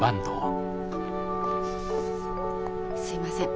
すいません